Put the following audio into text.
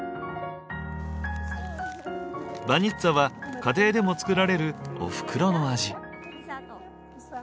バニッツァは家庭でも作られるおふくろの味。